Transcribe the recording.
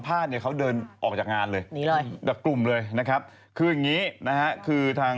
อ้าวคุณโจอี้บอยล่ะ